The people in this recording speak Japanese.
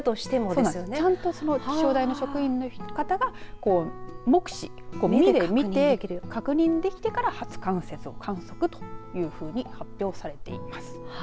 そうなんです、ちゃんと気象台の職員の方が目視、目で見て確認できてから初冠雪を観測というふうに発表されています。